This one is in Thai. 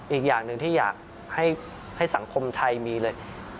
อีกอย่างหนึ่งที่อยากให้สังคมไทยมีเลย